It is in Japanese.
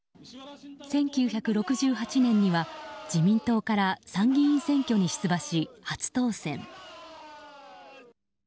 １９６８年には、自民党から参議院選挙に出馬し初当選。